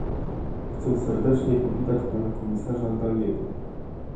Chcę serdecznie powitać pana komisarza Dalliego